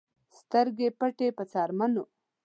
سترګې پټې په څرمنو